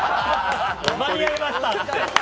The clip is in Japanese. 間に合いました！って。